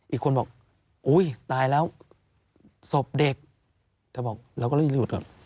อีกคนบอกอุ้ยตายแล้วศพเด็กเธอบอกเราก็รีบหยุด